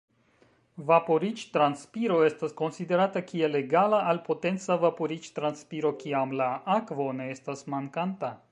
Vaporiĝ-transpiro estas konsiderata kiel egala al potenca vaporiĝ-transpiro kiam la akvo ne estas mankanta.